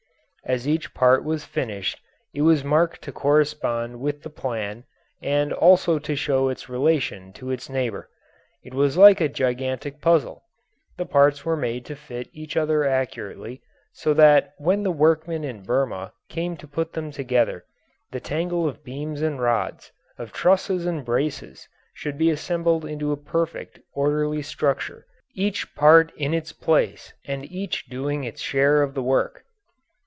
As each part was finished it was marked to correspond with the plan and also to show its relation to its neighbour. It was like a gigantic puzzle. The parts were made to fit each other accurately, so that when the workmen in Burma came to put them together the tangle of beams and rods, of trusses and braces should be assembled into a perfect, orderly structure each part in its place and each doing its share of the work.